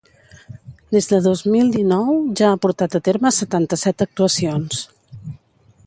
Des de dos mil dinou ja ha portat a terme setanta-set actuacions.